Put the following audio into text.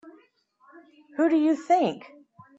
Who do you think?